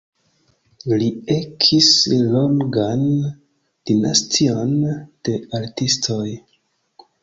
Li ekis longan dinastion de artistoj.